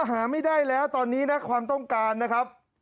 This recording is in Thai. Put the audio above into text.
หาไม่ได้แล้วตอนนี้นะความต้องการนะครับ